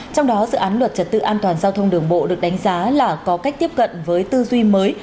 trong đó dự án luật trật tự an toàn giao thông đường bộ được đánh giá là có cách tiếp cận với tư duy mới